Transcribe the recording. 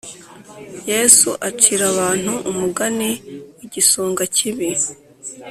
Yesu acira abantu umugani w igisonga kibi